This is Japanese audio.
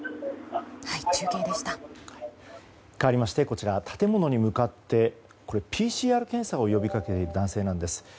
かわりまして建物に向かってＰＣＲ検査を呼びかける男性なんです。